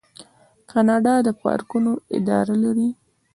کاناډا د پارکونو اداره لري.